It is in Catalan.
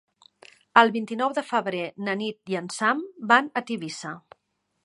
El vint-i-nou de febrer na Nit i en Sam van a Tivissa.